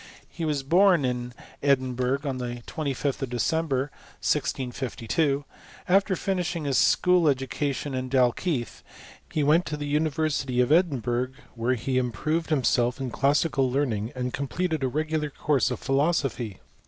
He was born in Edixi 208 HISTORY OF CHEXISTRT. burgh, on the 26th of December, 1652. After finish ing his school education in Dalkeith, he went to the University of Edinburgh, where he improved himself in classical learning, and completed a regular course of philosophy.